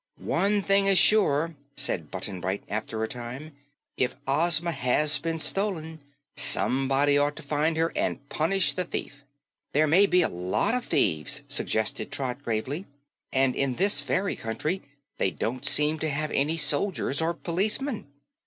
"One thing is sure," said Button Bright after a time, "if Ozma has been stolen, someone ought to find her and punish the thief." "There may be a lot of thieves," suggested Trot gravely, "and in this fairy country they don't seem to have any soldiers or policemen."